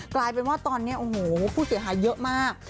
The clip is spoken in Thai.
กลายเป็นว่าตอนนี้โอ้โหผู้เสียหายเยอะมาก